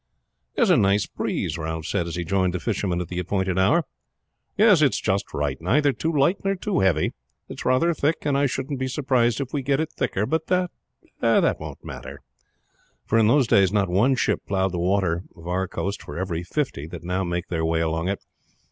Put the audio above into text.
"There's a nice breeze," Ralph said as he joined the fisherman at the appointed hour. "Yes, it's just right; neither too light nor too heavy. It's rather thick, and I shouldn't be surprised if we get it thicker; but that again don't matter." For in those days not one ship plowed the waters of our coast for every fifty that now make their way along it.